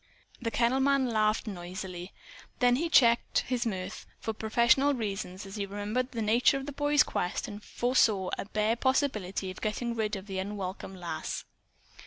The kennel man laughed noisily. Then he checked his mirth, for professional reasons, as he remembered the nature of the boy's quest and foresaw a bare possibility of getting rid of the unwelcome Lass.